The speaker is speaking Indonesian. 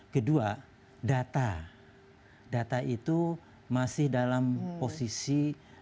kedua data data itu masih dalam posisi